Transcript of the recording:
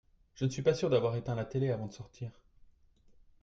Je ne suis pas sûr d'avoir éteint la télé avant de sortir.